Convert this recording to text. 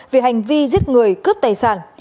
về hành vi giết người cướp tài sản